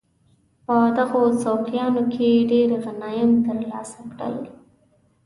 په دغو سوقیانو کې ډېر غنایم ترلاسه کړل.